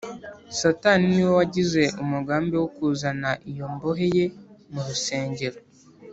satani ni we wagize umugambi wo kuzana iyo mbohe ye mu rusengero